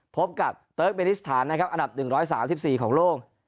พบกับเตอร์กเบรกิสถานอันดับ๑๓๔ของโลก